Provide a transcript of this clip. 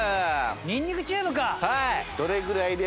ニンニクチューブか。